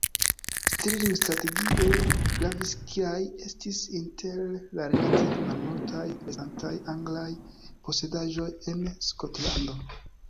Stirling strategie gravis kaj estis inter la relative malmultaj restantaj anglaj posedaĵoj en Skotlando.